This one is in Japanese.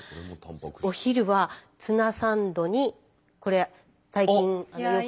お昼はツナサンドにこれ最近よく。